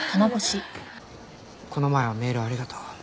この前はメールありがとう。